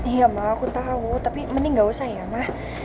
iya ma aku tau tapi mending gak usah ya ma